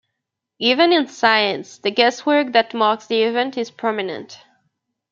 Even in science the guesswork that marks the event is prominent.